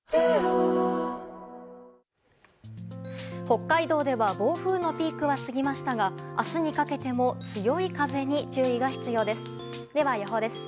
北海道では暴風のピークは過ぎましたが明日にかけても強い風に注意が必要です。